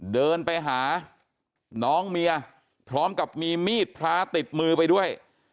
เดินไปหาน้องเมียพร้อมกับมีมีดพระติดมือไปด้วย